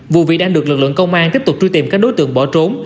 vụ việc đang được lực lượng công an tiếp tục truy tìm các đối tượng bỏ trốn